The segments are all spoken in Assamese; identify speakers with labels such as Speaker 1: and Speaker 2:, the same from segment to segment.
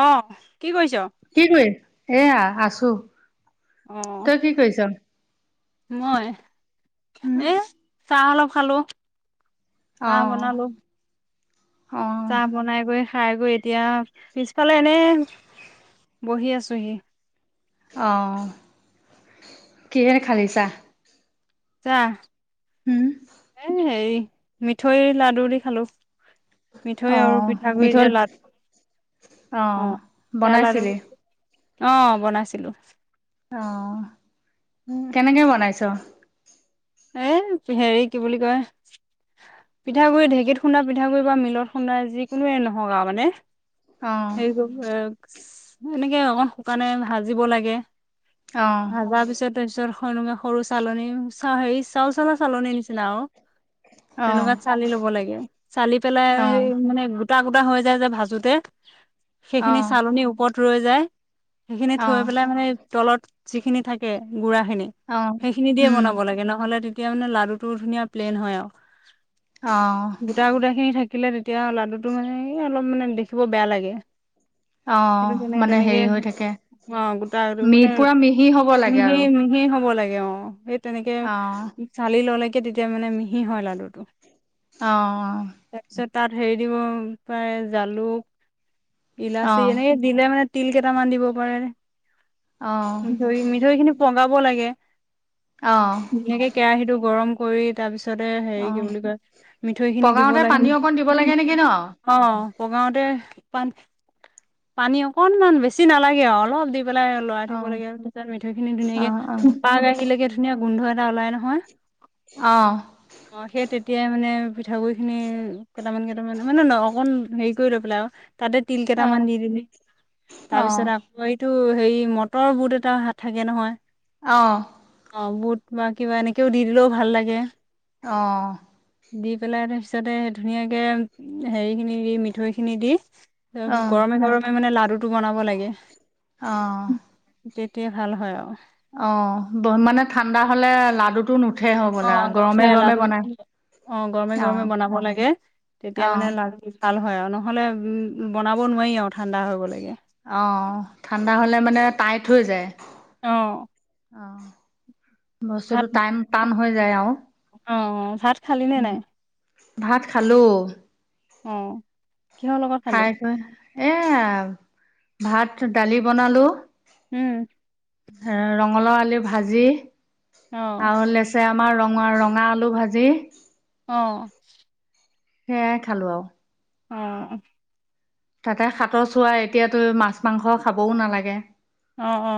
Speaker 1: অ', কৰিছ?
Speaker 2: কি কৰি, এয়া আছ চো
Speaker 1: অ',
Speaker 2: তই কি কৰিছ?
Speaker 1: মই
Speaker 2: উম
Speaker 1: এ চাহ অলপ খালো।
Speaker 2: অ
Speaker 1: চাহ বনালো।
Speaker 2: অ
Speaker 1: চাহ বনাই কৰি খায় কৰি এতিয়া পিছফালে এনে বহি আছোহি।
Speaker 2: অহ, কিহে খালি‌ চাহ?
Speaker 1: চাহ,
Speaker 2: উম
Speaker 1: এ হেয়ি মিঠৈৰ লাডু দি খালো। মিঠৈ আৰু
Speaker 2: অহ,
Speaker 1: পিঠাগুৰি যে
Speaker 2: মিঠৈ
Speaker 1: লাডু
Speaker 2: অ',
Speaker 1: সেয়া লাডু
Speaker 2: বনাইছিলি?
Speaker 1: অ', বনাইছিলো।
Speaker 2: অ',
Speaker 1: উম,
Speaker 2: কেনেকে বনাইছ?
Speaker 1: এ হেৰি কি বুলি কয় পিঠাগুৰি ঢেঁকীত খুনা পিঠাগুৰি বা মিলত খুন্দা যিকোনোৱে নহওঁক আৰু মানে
Speaker 2: অ অ
Speaker 1: হেৰি কৰ এ এনেকে অকন শুকানে ভাজিব লাগে।
Speaker 2: অ
Speaker 1: ভাজা পিছত তাৰপিছত সৰু চালনী হেৰি চাউল চালা চালনীৰ নিচিনা আৰু তেনেকুৱাত
Speaker 2: অ
Speaker 1: চালি ল'ব লাগে, চালি পেলাই সেই মানে গোটা গোটা হৈ যায় যে, ভাজোতে
Speaker 2: অ
Speaker 1: সেইখিনি চালনীৰ ওপৰত ৰৈ যায় সেইখিনি
Speaker 2: অ
Speaker 1: থৈ পেলাই মানে তলত যিখিনি থাকে গুৰা
Speaker 2: অ
Speaker 1: সেইখিনি দিয়ে
Speaker 2: উম
Speaker 1: বনাব লাগে নহ'লে তেতিয়া মানে লাডুটো ধুনীয়া প্লেইন হয় আৰু
Speaker 2: অ
Speaker 1: গোটা গোটা খিনি থাক থাকিলে তেতিয়া লাডুটো মানে অলপ মানে দেখিব বেয়া লাগে। সেইটো
Speaker 2: অ',
Speaker 1: তেনে
Speaker 2: মানে
Speaker 1: তেনেকে
Speaker 2: হেৰি হৈ থাকে।
Speaker 1: অ', গোটাটো
Speaker 2: মি
Speaker 1: মানে
Speaker 2: পুৰা মিহি হ'ব লাগে
Speaker 1: মিহি,
Speaker 2: আৰু
Speaker 1: মিহি হ'ব লাগে অ', সেই তেনেক
Speaker 2: অ
Speaker 1: চালি ললেকে তেতিয়া মানে মিহি হয়, লাডুটো।
Speaker 2: অহ।
Speaker 1: তাৰপিছত তাত হেৰি দিব পাৰে জালুক,
Speaker 2: অ
Speaker 1: ইলাচি এনেকে দিলে মানে তিল কেইটামান দিব পাৰে মিঠৈ মিঠৈ খিনি পগাব লাগে
Speaker 2: অ
Speaker 1: ধুনীয়াকে কেৰাহী টো গৰম কৰি তাৰ পিছত তাৰিছতে হেৰি
Speaker 2: অ অ
Speaker 1: কি বুলি কয় মিঠৈ খিনি দিব
Speaker 2: পগাওতে পানী
Speaker 1: লাগে
Speaker 2: অকণ দিব লাগে নেকি ন?
Speaker 1: অ পগাওতে পান পানী অকনমান বেছি নালাগে আৰু অলপ দি পেলাই লৰাই থাক
Speaker 2: অহ
Speaker 1: লাগে তিছত মিঠৈ খিনি
Speaker 2: অহ
Speaker 1: ধুনাকেোপাখিলে ধুন গোধ ওলাই নহয়
Speaker 2: অহ
Speaker 1: অ সেই তেতিয়াই মানে পিঠাগুডৰিি খিনি কেইটামান কেইটামান মানে ন অকন হেৰি কৰি লৈ পেলাই আৰু তাতে তিল কেইটামান দি দিলি
Speaker 2: অহ
Speaker 1: তাৰপিছত আকৌ এইটো হেৰি মটৰ বুত এটা হাত থাকে নহয়
Speaker 2: আহ
Speaker 1: অ বুট বা কিবা এনেকেও দি দিলেও ভাল লাগে
Speaker 2: আহ
Speaker 1: দি পেলাই তাৰ পিছতে ধুনীয়াকে হেৰি খিনি দি মিঠৈ খিনি দি তাৰ গৰমে গৰমে মানে লাড়ু টো বনাব লাগে
Speaker 2: আহ
Speaker 1: তেতিয়াাই ভাল হয় আৰু
Speaker 2: অ মানে ঠাণ্ডা হলে লাডু টো নুঠ
Speaker 1: অ নয়ালা আৰু অ গৰমে
Speaker 2: অহ
Speaker 1: গৰমে বনাব লাগে তেতিয়া
Speaker 2: অহ
Speaker 1: মানে লাাৰু তাল হয় আৰু নহ'লে বনাব নোৱাৰি আৰু ঠাণ্ডা হৈ গলগে
Speaker 2: অ ঠাণ্ডা হলে মানে টাইট হৈ যায়
Speaker 1: আহ
Speaker 2: অহ
Speaker 1: ভ
Speaker 2: বস্তুটো টান টান
Speaker 1: অ ভাত খালি নে
Speaker 2: উ
Speaker 1: নাই
Speaker 2: ভাত খালো
Speaker 1: অ কিহৰ লগত খালি
Speaker 2: খাই কৈ এ ভাত দালি বনালো
Speaker 1: উম
Speaker 2: এ ৰঙালাও আলি ভাজি
Speaker 1: অ
Speaker 2: আৰু লেচেৰা আমাৰ ৰঙ ৰঙা আলু ভাজি
Speaker 1: আহ
Speaker 2: হে খালো
Speaker 1: অ
Speaker 2: তাতে হাতৰ চোৱা এতিয়াতো মাছ মাংস খাবও নালাগে
Speaker 1: অ অ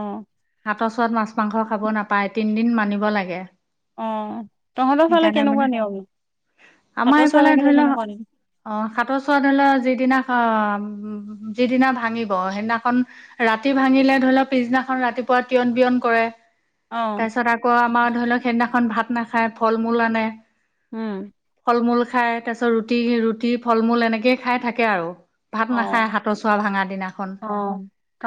Speaker 2: কাতৰ চৰত মাছ মাংস খাব নাপায় তিনিদিন মানিব লাগে
Speaker 1: অ তহঁতৰ ফালে
Speaker 2: সেইকাৰণে মানে
Speaker 1: কেনেকুৱা নিয়ম
Speaker 2: আমাৰ
Speaker 1: সাতৰ চোৱা
Speaker 2: এইফালে
Speaker 1: লাগিলে
Speaker 2: ধৰি লও
Speaker 1: কেনেকুৱা নিয়ম
Speaker 2: অ সাতৰ চোৱা ধৰি লোৱা যিদিনা উ যিদিনা ভাঙিব সেইদিনাখন ৰাতি ভাঙিলে ধৰি লওক পিছদিনাখন ৰাতিপুৱা তিয়ন বিয়ন কৰে
Speaker 1: অ
Speaker 2: তাৰপিছত আকৌ আমাৰ ধৰি লওক সেইদিনাখন ভাত নাখায় ফল মূল আনে
Speaker 1: উম
Speaker 2: খাই তাৰ পিছত ৰুটি ৰুটি ফল মূল এনেকেই খাই থাকে আৰু ভাত
Speaker 1: অ
Speaker 2: নাখায় হাতৰ চোৱা ভাঙা দিনাখন
Speaker 1: অ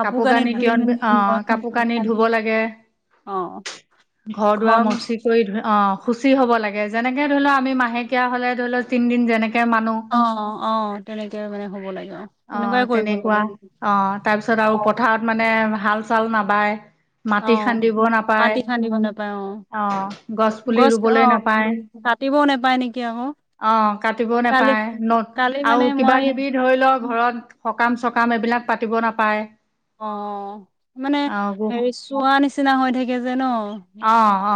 Speaker 2: কাপোৰ কানি
Speaker 1: ধুই
Speaker 2: তিয়ন
Speaker 1: মেলি
Speaker 2: অ
Speaker 1: ঘৰ
Speaker 2: কাপোৰ কানি ধ লাগে
Speaker 1: অ
Speaker 2: ঘৰ দুৱাৰ মচি কৰি ধু অ শুচি হব লাগে যেনেকে ধৰি লও আমি মাহেকীয়া হলে ধৰি লও তিনদিন যেনেকে মানো
Speaker 1: অ অ তেনেকে মানে হ'ব লাগে
Speaker 2: অ
Speaker 1: তেনেকুৱাই কৰিব
Speaker 2: তেনেকুৱা
Speaker 1: লাগে
Speaker 2: অ তাৰপিছত আৰু
Speaker 1: অ
Speaker 2: পথাৰত মানে হাল চাল ন বাই
Speaker 1: অ
Speaker 2: মাটি খান্দিব নাপায়
Speaker 1: মাটি খান্দিব নাপায়
Speaker 2: অ গছ পুলি ৰুবলৈ নাপায়
Speaker 1: কাটতিবও নোপায় নেকি আকৌ
Speaker 2: অ কাটিবও
Speaker 1: কালি
Speaker 2: নাপায় ন
Speaker 1: কালি
Speaker 2: আৰু
Speaker 1: মানে
Speaker 2: কিবা
Speaker 1: মই
Speaker 2: কিবি ধৰি লওক ঘৰত সকাম-চকাম এইবিলাক পাতিব নাপায়।
Speaker 1: অ মানে
Speaker 2: অ', গো
Speaker 1: হেৰি চোৱা নিচিনা হৈ থাকে যে ন।
Speaker 2: অ অ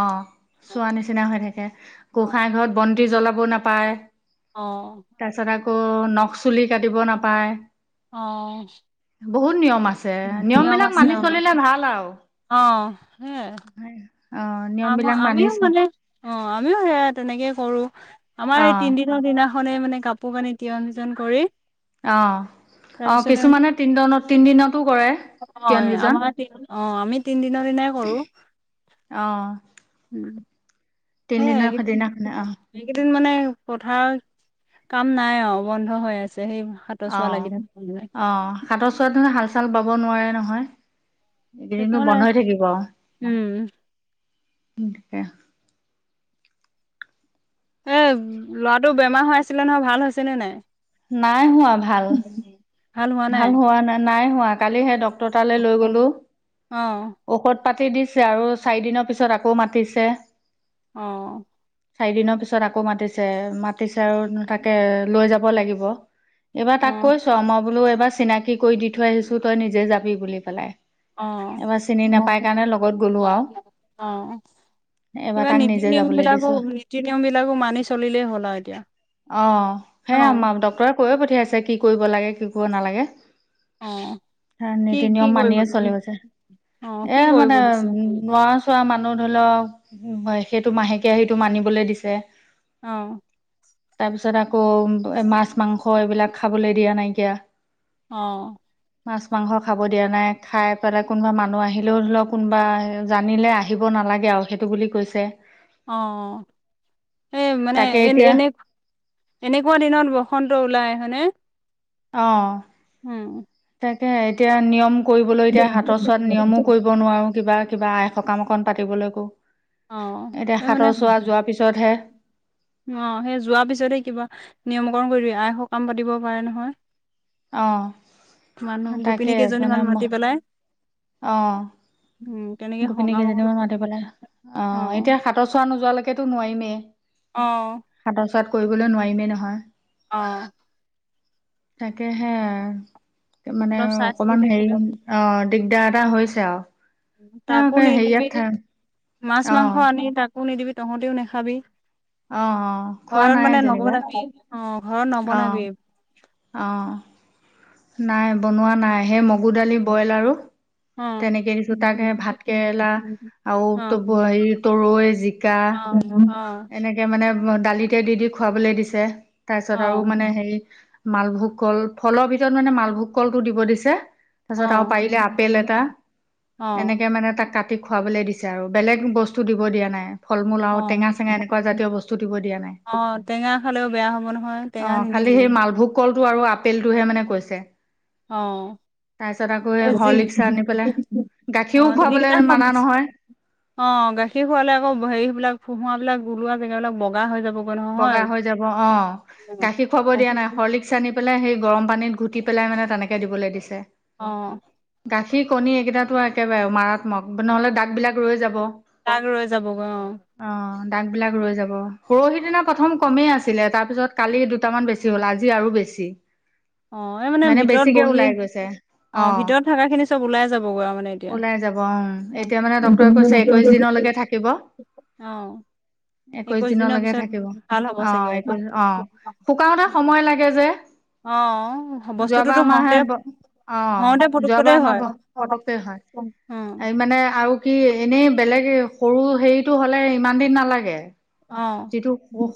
Speaker 2: চোৱা নিচিনা হৈ থাকে,
Speaker 1: অ
Speaker 2: গোসাইই ঘৰত বন্তি জ্বলাব ব নাপায়।
Speaker 1: অ
Speaker 2: তাৰপিছত আকৌ নখ চুলি কাটিব নাপায়।
Speaker 1: আহ
Speaker 2: বহুত নিয়ম আছে, নিয়ম বিলাক মানি চলিলে ভাল আৰু
Speaker 1: হে
Speaker 2: অ', নিয়ম
Speaker 1: আমাৰ
Speaker 2: বিলাক
Speaker 1: আমিও
Speaker 2: মানিছে
Speaker 1: মানে অ আমিও সেয়া তেনেকে কৰো। আমাৰ এই
Speaker 2: অ',
Speaker 1: তিনদিনৰ দিনাখনেই মানে কাপোৰ কানি তিয় সিজন কৰি
Speaker 2: অ অ
Speaker 1: তাৰপিছতে
Speaker 2: কিছুমানে তিনদত তিনদিনতো কৰে
Speaker 1: অ
Speaker 2: তিয়ন
Speaker 1: আমাৰ
Speaker 2: বীজন
Speaker 1: অ আমি তিনিদিনৰ দিনাই কৰো।
Speaker 2: অ'।
Speaker 1: স [unintelligible]
Speaker 2: তিনদিনৰ দিনাখনে অ',
Speaker 1: মানে পথাৰ কাম নাই অ বন্ধ হৈ আছে। সেই হাতৰ চোৱা
Speaker 2: আহ,
Speaker 1: লাগি থাকে
Speaker 2: আহ হাতৰ চোৱাতো হাল-চাল বাব নোৱাৰে নহয়। এইকেইদিনো
Speaker 1: সেইকাৰণে
Speaker 2: বন্ধ হৈ থাকিব।
Speaker 1: উম
Speaker 2: এনেকা [unintelligible]
Speaker 1: এ ল'ৰাটো বেমাৰ হৈ আছিলে নহয়, ভাল হৈছে নে নাই?
Speaker 2: নাই হোৱা ভাল। ভাল হোৱা নাই নাই হোৱা কালিহে ডাক্তৰৰ তালৈ
Speaker 1: অ',
Speaker 2: লৈ গলো ঔষধ পাতি দিছে আৰু চাৰি দিনৰ পিছত আকৌ মাতিছে
Speaker 1: অ
Speaker 2: চাৰি দিনৰ পিছত আকৌ মাতিছে, মাতিছে আৰু তাকে লৈ যাব লাগিব। এইবাৰ তাক
Speaker 1: অ',
Speaker 2: কৈছো মই বোলো এইবাৰ চিনাকি কৰি দি থৈ আহিছোঁ তই নিজে যাবি বুলি পেলাই।
Speaker 1: আহ
Speaker 2: এবাৰ চিনি নাপাই কাৰণে লগত গ'লো আৰু
Speaker 1: আহ
Speaker 2: এবাৰ
Speaker 1: কিবা
Speaker 2: তাক
Speaker 1: নীতি
Speaker 2: নিজে
Speaker 1: নিয়ম
Speaker 2: যাবলৈ
Speaker 1: বিলাকো,
Speaker 2: দিছো
Speaker 1: নীতি নিয়ম বিলাকো মানি চলিলেই হ'ল আৰু এতিয়া।
Speaker 2: অ সেয়া
Speaker 1: অ',
Speaker 2: আমাক ডক্টোৰে কৈয়ে পঠিয়াইছে, কি কৰিব লাগে, কি কৰিব নালাগে।
Speaker 1: অ', কি
Speaker 2: নীতি
Speaker 1: কি
Speaker 2: নিয়ম
Speaker 1: কৰিব
Speaker 2: মানিয়ে
Speaker 1: অ',
Speaker 2: চলি আছে।
Speaker 1: কি
Speaker 2: এ
Speaker 1: কৰিব
Speaker 2: মানে
Speaker 1: দিছে?
Speaker 2: উ লোৱা চোৱা মানে মানহ ধৰি লওক সেইটো মাহেকীয়া সেইটো মানিবলৈ দিছে।
Speaker 1: আহ
Speaker 2: তাৰ পিছত আকৌ মাছ- মাংস এইবিলাক খাবলৈ দিয়া নাইকিয়া।
Speaker 1: আহ
Speaker 2: মাছ মাংস খাব দিয়া নাই, খাই পেলাই কোনোবা মানুহ আহিলেও ধৰি লওক কোনোবা জানিলে আহিব ন নালাগে আৰু সেইটো বুলি কৈছে।
Speaker 1: অ সেই মানে
Speaker 2: তাকে
Speaker 1: এনে
Speaker 2: এতিয়া
Speaker 1: এনে এনেকুৱা দিনত বসন্ত ওলাই। হয়নে?
Speaker 2: অ
Speaker 1: উম
Speaker 2: তাকে এতিয়া নিয়ম কৰিবলৈ, এতিয়া হাতৰ চোৱাত নিয়মো কৰিব নোৱাৰোঁ কিবা কিবা আই সকাম অকণ পাতিবলৈকো
Speaker 1: অ
Speaker 2: এতিয়া
Speaker 1: সেই মানে
Speaker 2: সাতৰ চোৱা যোৱাৰ পিছতহে
Speaker 1: [inaudible] অ সেই যোৱা পিছতে কিবা নিয়মকৰণ কৰি দ আই সকাম পাতিব পাৰে নহয়
Speaker 2: অ
Speaker 1: মানুহ গোপিনী কেইজনী মান মাতি পেলাই
Speaker 2: অহ
Speaker 1: উম তেনেকে
Speaker 2: গোপিনী
Speaker 1: সকাম
Speaker 2: কেইজনদিনমান
Speaker 1: অকণ
Speaker 2: মাতি পেলাই, অ এতিয়া সাতৰ চোৱা নোযোৱালৈকেতো নোৱাৰিমেই।
Speaker 1: অহ
Speaker 2: পাত কৰিবলৈ নোৱাৰিমে নহয়।
Speaker 1: অহ।
Speaker 2: তাকে হে মানে
Speaker 1: অলপ চাই চিতি
Speaker 2: অকমান হেৰি
Speaker 1: থাকিলে
Speaker 2: অ। দিগদাৰ এটা হৈছে আৰু।
Speaker 1: তাকো
Speaker 2: এওঁকে হেৰিয়াত
Speaker 1: নিদিবি
Speaker 2: থা
Speaker 1: মাছ
Speaker 2: অ
Speaker 1: মাংস আনি তাকো নিদিবি তহঁতেও নাখাবি।
Speaker 2: অ অ খোৱা
Speaker 1: ঘৰত
Speaker 2: নাই
Speaker 1: মানে
Speaker 2: যেনিবা
Speaker 1: নবনাবি অ ঘৰত
Speaker 2: অ
Speaker 1: নবনাবি।
Speaker 2: অ নাই বনোৱা নাই সেই মগু দালি বইল আৰু।
Speaker 1: অ
Speaker 2: তেনেকে দিছোঁ তাকে ভাতকেৰেলা। আৰু
Speaker 1: অ অ
Speaker 2: হেৰি তৰৈ জিকা। এনেকে মানে দালিতে দি দি খুৱাবলৈ দিছে তাৰপিছত
Speaker 1: অ
Speaker 2: আৰু মানে হেৰি। মালভোগ কল ফলৰ ভিতৰত মানে মালভোগ কলটো দিব দিছে।
Speaker 1: অ
Speaker 2: তাৰপিছত আৰু পাৰিলে আপেল এটা এনেকে মানে তাক কাটি। টি খুৱাবলে দিছে আৰু বেলেগ বস্তু দিব দিয়া নাই ফল-মূল
Speaker 1: অ
Speaker 2: টেঙা।
Speaker 1: অ
Speaker 2: এনেকুৱা
Speaker 1: অ
Speaker 2: জাতীয় বস্তু দিব দিয়া নাই
Speaker 1: অ টেঙা খালেও বেয়া হ'ব নহয় টেঙা
Speaker 2: অহ খালী
Speaker 1: নিদিবি
Speaker 2: সেই মালভোগ কল। কলটো আৰু আপেলটোহে মানে কৈছে।
Speaker 1: অ। [unintelligible]
Speaker 2: তাৰপিছত আকৌ সেই হৰলিক্স আনি পেলাই গাখীৰো খুৱাবলৈ মানা নহয়
Speaker 1: অ গাখীৰ খোৱালে আকৌ হেৰিবিলাক ফোহুৱা বিলাক ওলোৱা জেগাবিলাক বগা হৈ যাব।
Speaker 2: বগা হৈ যাব অ গাখীৰ খুৱাব দিয়া নাই হৰলিক্স আনি পেলাই সেই। গৰম পানীত ঘুটি পেলাই মানে তেনেকে দিবলৈ দিছে।
Speaker 1: অ।
Speaker 2: গাখীৰ কণী এইকেইটাতো একেবাৰে মাৰাত্মক নহ'লে দাগবিলাক ৰৈ যাব।
Speaker 1: তাক ৰৈ যাব গৈ অহ।
Speaker 2: দাগ বিলাক ৰৈ যাব পৰহি দিনা। প্ৰথম কমেই আছিলে তাৰ পিছত কালি দুটামান বেছি হ'ল আজি আৰু বেছি।
Speaker 1: অ এই
Speaker 2: মানে
Speaker 1: ভিতৰত
Speaker 2: বেছিকে
Speaker 1: বহি
Speaker 2: ওলাই গৈছে। অ
Speaker 1: ভিতৰত থকা খিনি চব ওলাই যাবগৈ আৰু মানে এতিয়া
Speaker 2: ওলাই যাব উম
Speaker 1: অ
Speaker 2: এতিয়া মানে ডক্তৰে কৈছে একৈশ দিনলৈ। থাকিব।
Speaker 1: অ।
Speaker 2: একৈশ
Speaker 1: দিনৰ
Speaker 2: দিনলৈকে
Speaker 1: পিছত
Speaker 2: থাকিব
Speaker 1: ভাল হ'ব
Speaker 2: অ
Speaker 1: চাগে
Speaker 2: একৈশ অ শুকাওঁতে সময় লাগে যে।
Speaker 1: অ
Speaker 2: যোৱাবাৰ
Speaker 1: বস্তুটোতো
Speaker 2: আমাৰ হে
Speaker 1: হওঁতে।
Speaker 2: অ
Speaker 1: হওঁতে পুতুকতে
Speaker 2: যোৱাবাৰ আমাৰ
Speaker 1: হয়।
Speaker 2: পতককে হয়
Speaker 1: উম,
Speaker 2: এই মানে আৰু কি এনেই। বেলেগ সৰু হেৰিটো হ'লে ইমান দিন নালাগে।
Speaker 1: অ',
Speaker 2: যিটো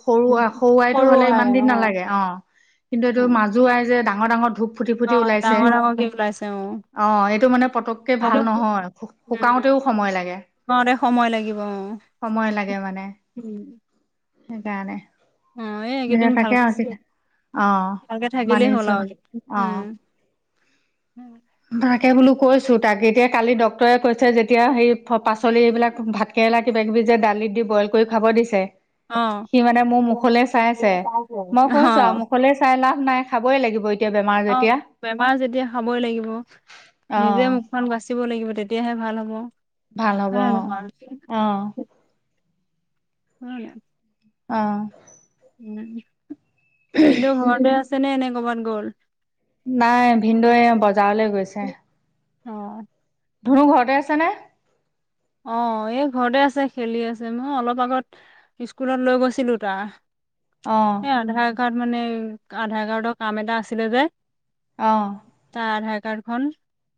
Speaker 2: সৰু সৰু আইটো হ'লে ইমান দিন নালাগে অ। কিন্তু এইটো
Speaker 1: অ',
Speaker 2: মাজু আই যে ডাঙৰ ডাঙৰ ধূপ। ফুটি ফুটি
Speaker 1: অ
Speaker 2: ওলাইছে
Speaker 1: ডাঙৰ ডাঙৰকে ওলাইছে অ।
Speaker 2: অ এইটো মানে পতককে ভাল
Speaker 1: সেইটো
Speaker 2: নহয় শুকাওঁতেও সময় লাগে।
Speaker 1: শুকাওঁতে সময় লাগিব অহ।
Speaker 2: সময় লাগে মানে
Speaker 1: [inaudible]
Speaker 2: সেইকাৰণে।
Speaker 1: অ এই
Speaker 2: এ
Speaker 1: এইকেইদিন ভাল
Speaker 2: তাকে
Speaker 1: কৰিছে।
Speaker 2: অ
Speaker 1: ভালকে
Speaker 2: মানি
Speaker 1: থাকিলেই হ'ল
Speaker 2: চলে
Speaker 1: আৰু
Speaker 2: অ
Speaker 1: উম।
Speaker 2: তাকে বোলো কৈছোঁ তাকে এতিয়া কালি ডক্তৰে কৈছে যেতিয়া সেই পাচলি এইবিলাক ভাতকে। কেলা কিবা কিবি যে দালিত দি বইল কৰি খাব দিছে।
Speaker 1: অ',
Speaker 2: সি মানে মোৰ মুখলৈ চাই আছে, মই কৈছোঁ আৰু
Speaker 1: অ',
Speaker 2: মুখলৈ চাই লাভ নাই খাবই লাগি।
Speaker 1: অ, বেমাৰ যেতিয়া খাবই লাগিব। ব, নিজে
Speaker 2: অ',
Speaker 1: মুখখন বাচিব লাগিব তেতিয়াহে ভাল হব।
Speaker 2: ভাল হ'ব
Speaker 1: হয় নে
Speaker 2: অ',
Speaker 1: নহয়।
Speaker 2: অ',
Speaker 1: উম।
Speaker 2: অ।
Speaker 1: ভিনদেউ ঘৰতে আছে নে এনেই ক'বাত গ'ল।
Speaker 2: নাই ভিনদেউয়ে বজাৰলৈ গৈছে।।
Speaker 1: অ।
Speaker 2: ধনু ঘৰতে আছে নে।
Speaker 1: অ এই ঘৰতে আছে খেলি আছে মই অলপ আগত, স্কুলত লৈ গৈছিলো তাৰ। সে
Speaker 2: অ',
Speaker 1: আধাৰ কাৰ্ড মানে আধাৰ কাৰ্ডৰ কাম এটা আছিলে যে।
Speaker 2: অ',
Speaker 1: তাৰ আধাৰ কাৰ্ড খন,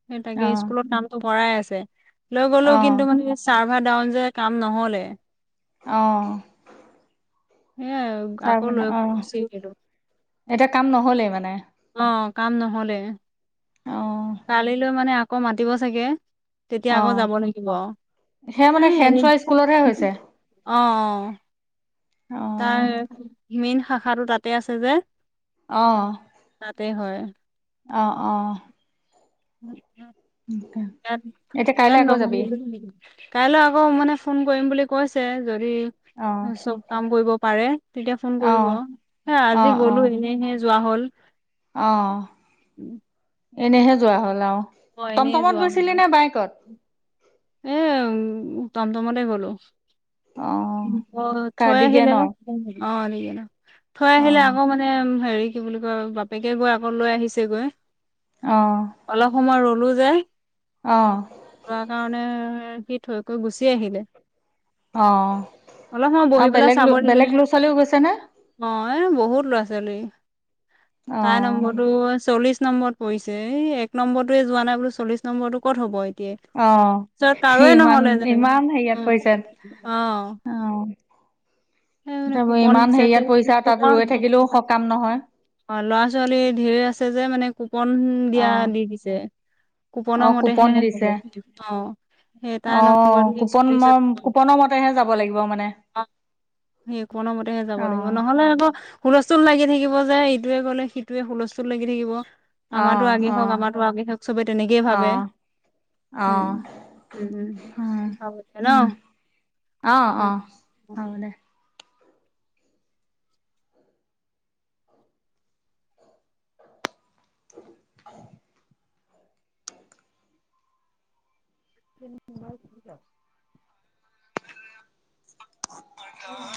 Speaker 1: সেই তাকে
Speaker 2: অ',
Speaker 1: স্কুলত নামটো ভৰাই আছে। লৈ গ'লো
Speaker 2: অ',
Speaker 1: কিন্তু মানে চাৰ্ভাৰ ডাউন যে কাম নহ'লে।
Speaker 2: অহ।
Speaker 1: হেয়াই আকৌ লৈ [unintelligible]
Speaker 2: এতিয়া কাম নহ'লেই মানে।
Speaker 1: অ, কাম নহলে।
Speaker 2: অ।
Speaker 1: কালিলৈ মানে আকৌ মাতিব চাগে। তেতিয়া আকৌ
Speaker 2: অ',
Speaker 1: যাব লাগিব,
Speaker 2: সেয়া
Speaker 1: হে
Speaker 2: মানে
Speaker 1: এনে।
Speaker 2: খেনচোৱা স্কুলতহে হৈছে
Speaker 1: অ অ, তাৰ,
Speaker 2: অ',
Speaker 1: মেইন শাখাটো তাতে আছে যে।
Speaker 2: অ',
Speaker 1: তাতে হয়।
Speaker 2: অ অ।
Speaker 1: [unintelligible]
Speaker 2: এতিয়া কাইলৈ
Speaker 1: ইয়াত,
Speaker 2: আকৌ যাবি
Speaker 1: [unintelligible] কাইলৈ আকৌ মানে ফোন কৰিম বুলি কৈছে। যদি।
Speaker 2: অ',
Speaker 1: চব কাম কৰিব পাৰে তেতিয়া ফোন কৰিব,
Speaker 2: অ',
Speaker 1: হে আজি
Speaker 2: অ', অ',
Speaker 1: গলো এনেহে যোৱা হ'ল।
Speaker 2: অ, এনেহে যোৱা হ'ল আৰু।
Speaker 1: অ এনেই
Speaker 2: টমটমত
Speaker 1: যোৱা
Speaker 2: গৈছিলি
Speaker 1: হ'ল
Speaker 2: নে বাইকত।
Speaker 1: এ উ তমতমতে গলো।
Speaker 2: অ',
Speaker 1: অ থৈ আহিলে,
Speaker 2: কাৰ্ডিগেনৰ
Speaker 1: অ নিকি, থৈ আহিলে
Speaker 2: অ',
Speaker 1: আকৌ মানে হেৰি কি বুলি কয় বাপেকে গৈ আকৌ লৈ আহিছে গৈ,
Speaker 2: অ',
Speaker 1: অলপ সময় ৰ লো যে,
Speaker 2: অ',
Speaker 1: [unintelligible] সি থৈ কৈ গুচি আহিলে।
Speaker 2: অ।
Speaker 1: অলপ সময়
Speaker 2: আৰু
Speaker 1: বহি পেলাই
Speaker 2: বেলেগ
Speaker 1: চাব নিল,
Speaker 2: বেলেগ ল'ৰা ছোৱালীও গৈছে নে?
Speaker 1: অ এ বহুত লৰা-ছোৱালী। তাই ন
Speaker 2: অ',
Speaker 1: নম্বৰটো চল্লিশ ৰত নম্বৰত পৰিছে এই এক নম্বৰটোৱে যোৱা নাই বুলু চল্লিশ নম্বৰটো ক'ত হ'ব এ কে,
Speaker 2: অ',
Speaker 1: পিছত কাৰো
Speaker 2: ইমান
Speaker 1: নহলে যেনে,
Speaker 2: ইমান
Speaker 1: উম। অ। সেই মানে
Speaker 2: তাৰপৰা
Speaker 1: কুপন
Speaker 2: ইমান
Speaker 1: দিছে যে
Speaker 2: হেৰিয়াত পৰিছা তাত
Speaker 1: কুপন
Speaker 2: ৰৈ থাকিলেও সকাম নহয়।
Speaker 1: অ ল'ৰা-ছোৱালী ঢেৰ আছে যে মানে কুপন দিয়া
Speaker 2: অ',
Speaker 1: দি দিছে। কুপনৰ
Speaker 2: অ', কুপন
Speaker 1: মতেহে হব,
Speaker 2: দিছে
Speaker 1: অ্
Speaker 2: অ, কুপন ম কুপনৰ মতেহে যাব লাগিব মানে।
Speaker 1: অ', সেই কমতেহে যাব লাগিব
Speaker 2: অ',
Speaker 1: নহলে আকৌ হুলস্থুল লাগি থাকিব যে ইটোৱে গলে সিটোৱে হুলস্থুল লাগি থাকিব। আমাৰো
Speaker 2: অ',
Speaker 1: আগে হওক
Speaker 2: অ',
Speaker 1: আমাৰো আগে হওক চবে তেনেকেই ভাবে।
Speaker 2: অ',
Speaker 1: উম,
Speaker 2: অ', উম, উম,
Speaker 1: হম [unintelligible]
Speaker 2: অ অ হ দে [unintelligible]
Speaker 1: [unintelligible]
Speaker 2: [unintelligible]